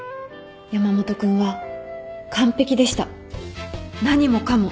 山本君は完璧でした何もかも。